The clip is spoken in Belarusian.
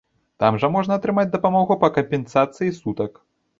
Там жа можна атрымаць дапамогу па кампенсацыі сутак.